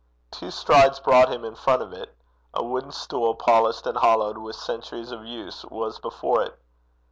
Two strides brought him in front of it. A wooden stool, polished and hollowed with centuries of use, was before it.